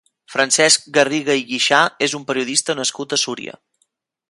Francesc Garriga i Guixà és un periodista nascut a Súria.